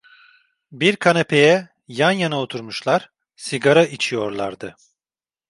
Bir kanepeye yan yana oturmuşlar, sigara içiyorlardı.